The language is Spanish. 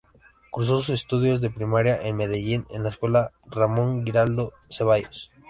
Cursó sus estudios de primaria en Medellín en la escuela Ramón Giraldo Ceballos.